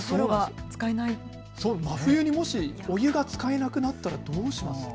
真冬にお湯が使えなくなったらどうしますか。